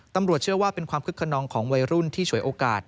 ตำรวจเชื่อว่าเป็นความคึกขนองของวัยรุ่นที่ฉวยโอกาส